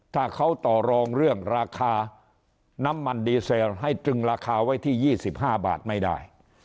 ถ้าเขาต่อรองเรื่องราคาน้ำมันดีเซลให้ตรึงราคาไว้ที่๒๕บาทไม่ได้